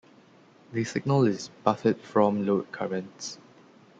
The signal is 'buffered from' load currents.